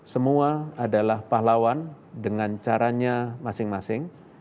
semua adalah pahlawan dengan caranya masing masing